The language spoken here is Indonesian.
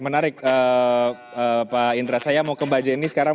menarik pak indra saya mau ke mbak jenny sekarang